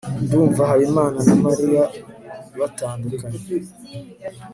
ndumva habimana na mariya batandukanye